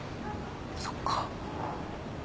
そっか。